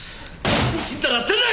何ちんたらやってんだ！